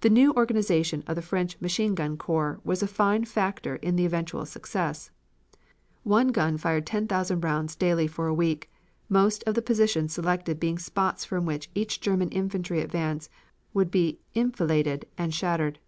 "The new organization of the French Machine gun Corps was a fine factor in the eventual success. One gun fired ten thousand rounds daily for a week, most of the positions selected being spots from which each German infantry advance would be enfiladed and shattered.